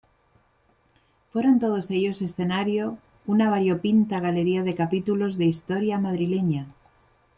Fueron todos ellos escenario una variopinta galería de capítulos de historia madrileña.